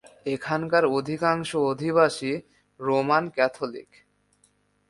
এখানকার অধিকাংশ অধিবাসী রোমান ক্যাথলিক।